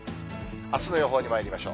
あすの予報にまいりましょう。